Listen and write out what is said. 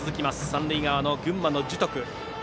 三塁側の群馬の樹徳。